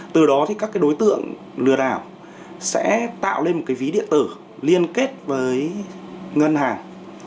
từ đó thì các cái đối tượng lừa đảo sẽ tạo lên một cái ví điện tử liên kết với ngân hàng